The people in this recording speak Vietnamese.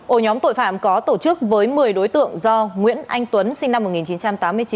ổ nhóm tội phạm có tổ chức với một mươi đối tượng do nguyễn anh tuấn sinh năm một nghìn chín trăm tám mươi chín